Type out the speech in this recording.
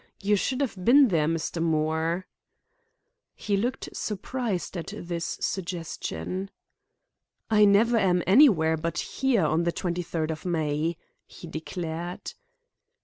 You should have been there, Mr. Moore." He looked surprised at this suggestion. "I never am anywhere but here on the twenty third of May," he declared.